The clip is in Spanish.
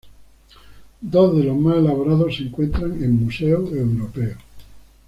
Dos de los más elaborados se encuentran en museos europeos.